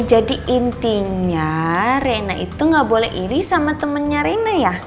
jadi intinya rena itu gak boleh iri sama temennya rena ya